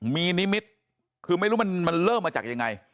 มีนิมิตรคือไม่รู้มันเริ่มมาจากยังไง